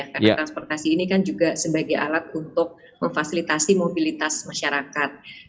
karena transportasi ini kan juga sebagai alat untuk memfasilitasi mobilitas masyarakat